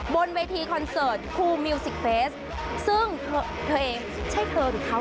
บนเวทีคอนเสิร์ตครูมิวสิกเฟสซึ่งเธอเองใช่เธอของเขา